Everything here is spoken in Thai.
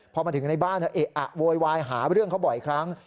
พอมาถึงในบ้านเอะอะโวยวายหาเรื่องเขาบ่อยครั้ง